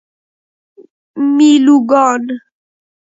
میلوگان